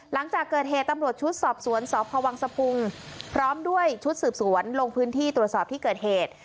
หลังจากเกิดเหตุตำรวจชุดสอบสวนสพวังสะพุงพร้อมด้วยชุดสืบสวนลงพื้นที่ตรวจสอบที่เกิดเหตุ